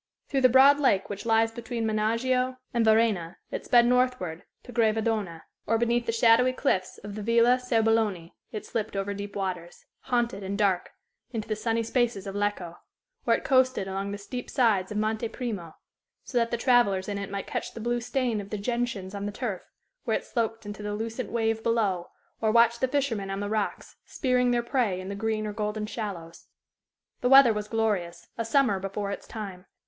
Through the broad lake which lies between Menaggio and Varenna it sped northward to Gravedona; or beneath the shadowy cliffs of the Villa Serbelloni it slipped over deep waters, haunted and dark, into the sunny spaces of Lecco; or it coasted along the steep sides of Monte Primo, so that the travellers in it might catch the blue stain of the gentians on the turf, where it sloped into the lucent wave below, or watch the fishermen on the rocks, spearing their prey in the green or golden shallows. The weather was glorious a summer before its time.